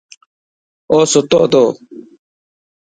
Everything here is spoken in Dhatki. اوستو تو.